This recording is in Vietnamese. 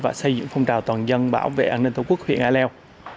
và xây dựng phong trào toàn dân bảo vệ an ninh tổ quốc huyện ea leo